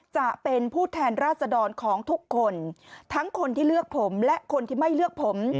จะเป็นผู้แทนราชดรของทุกคนทั้งคนที่เลือกผมและคนที่ไม่เลือกผม